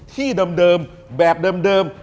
ที่เดิมแบบเดิม